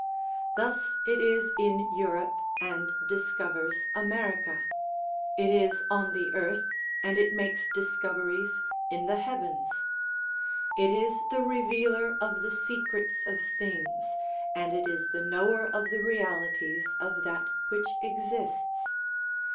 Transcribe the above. Thus, it is in Europe and discovers America ; it is on the earth and it makes discoveries in the heavens. It is the revealer of the secrets of things, and it is the knower of the realities of that which exists.